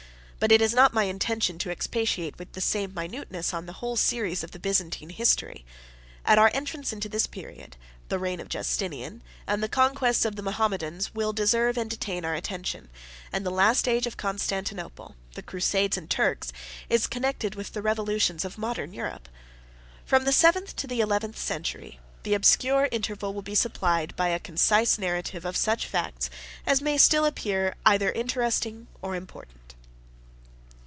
But it is not my intention to expatiate with the same minuteness on the whole series of the Byzantine history. At our entrance into this period, the reign of Justinian, and the conquests of the Mahometans, will deserve and detain our attention, and the last age of Constantinople (the Crusades and the Turks) is connected with the revolutions of Modern Europe. From the seventh to the eleventh century, the obscure interval will be supplied by a concise narrative of such facts as may still appear either interesting or important.